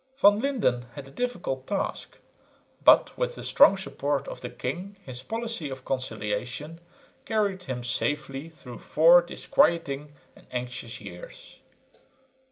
Van Lynden had a difficult task, but with the strong support of the king his policy of conciliation carried him safely through four disquieting and anxious years.